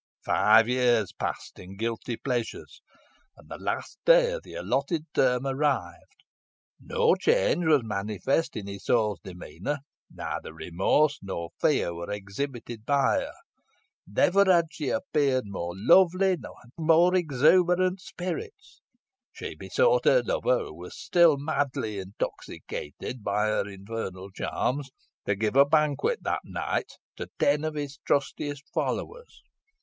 Five years passed in guilty pleasures, and the last day of the allotted term arrived. No change was manifest in Isole's demeanour; neither remorse nor fear were exhibited by her. Never had she appeared more lovely, never in higher or more exuberant spirits. She besought her lover, who was still madly intoxicated by her infernal charms, to give a banquet that night to ten of his trustiest followers.